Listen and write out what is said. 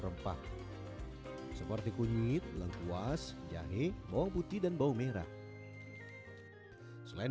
rempah seperti kunyit lengkuas jahe bawang putih dan bawang merah selain